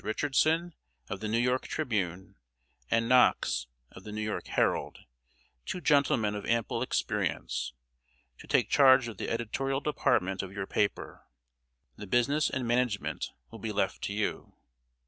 Richardson, of The New York Tribune, and Knox, of The New York Herald, two gentlemen of ample experience to take charge of the editorial department of your paper. The business and management will be left to you."